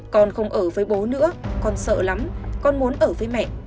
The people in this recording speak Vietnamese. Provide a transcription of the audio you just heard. con không ở với bố nữa con sợ lắm con muốn ở với mẹ